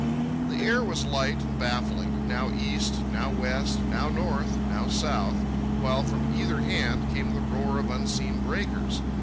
The air was light and baffling, now east, now west, now north, now south; while from either hand came the roar of unseen breakers.